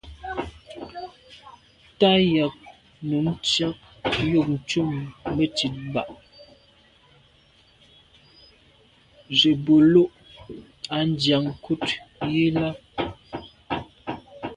Tà yag num ntsiag yub ntùm metsit ba’ ze bo lo’ a ndian nkut yi là.